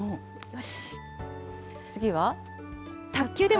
よし。